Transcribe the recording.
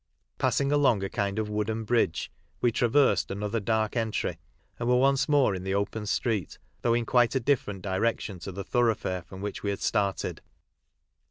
Passing along a kind of wooden bridge, we traversed another dark entry, and were once more in the open street, though in quite a different direction to the thoroughfare from which we had started.